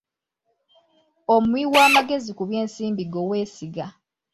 Omuwi w'amagezi ku by'ensimbi gwe weesiga.